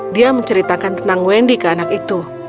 dia menceritakan tentang wendy ke anak itu